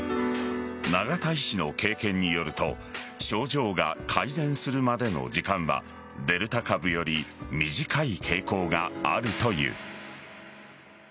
永田医師の経験によると症状が改善するまでの時間はデルタ株より短い傾向があるという。